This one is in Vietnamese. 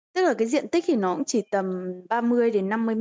tức là cái diện tích thì nó cũng chỉ tầm ba mươi năm mươi m hai thôi hả chị